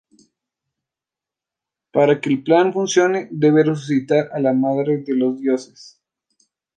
Para que el plan funcione debe resucitar a la Madre de los Dioses.